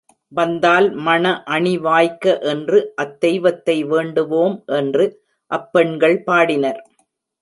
வந்தால் மண அணி வாய்க்க என்று அத் தெய்வத்தை வேண்டுவோம் என்று அப்பெண்கள் பாடினர்.